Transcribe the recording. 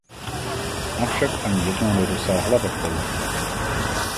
Avšak ani jednou nedosáhla vrcholu.